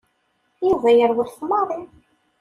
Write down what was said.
Yuba yerwel ɣef Mary.